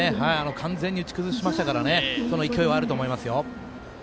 完全に打ち崩しましたからねその勢いはあると思いますよ。